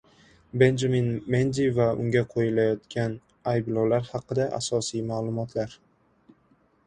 Benjamin Mendi va unga qo‘yilayotgan ayblovlar haqida asosiy ma’lumotlar